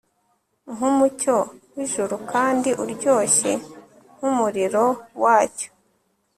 Nkumucyo wijoro kandi uryoshye nkumuriro wacyo